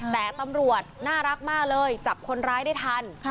แต่ตำรวจน่ารักมากเลยจับคนร้ายได้ทัน